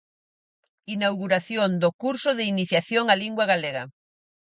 Inauguración do Curso de Iniciación á Lingua Galega.